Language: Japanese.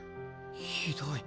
ひどい。